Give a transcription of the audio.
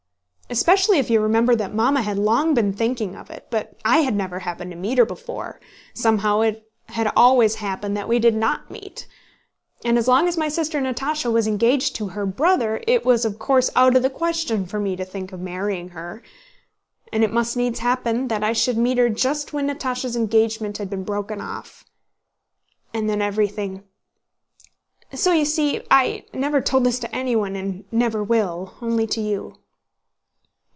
Especially if you remember that Mamma had long been thinking of it; but I had never happened to meet her before, somehow it had always happened that we did not meet. And as long as my sister Natásha was engaged to her brother it was of course out of the question for me to think of marrying her. And it must needs happen that I should meet her just when Natásha's engagement had been broken off... and then everything... So you see... I never told this to anyone and never will, only to you."